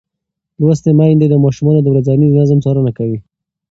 لوستې میندې د ماشومانو د ورځني نظم څارنه کوي.